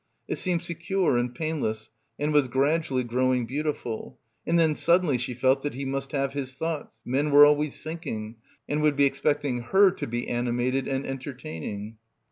It seemed secure and painless and was gradually growing beautiful, and then sud denly she felt that he must have his thoughts, men were always thinking, and would be expect ing her to be animated and entertaining.